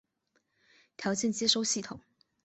条件接收系统。